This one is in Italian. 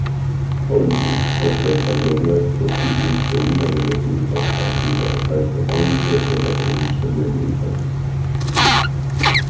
Oggi Porto Empedocle costituisce una delle più importanti realtà economiche della provincia di Agrigento.